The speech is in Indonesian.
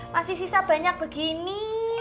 masih sisa banyak begini